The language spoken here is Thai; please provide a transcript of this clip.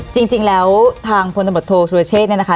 จริงแล้วทางพลธโธสุรเชษนะคะ